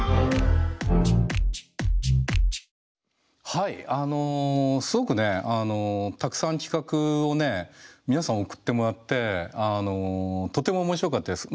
はいあのすごくねたくさん企画をね皆さん送ってもらってとても面白かったです。